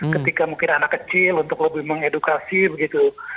ketika mungkin anak kecil untuk lebih mengedukasi begitu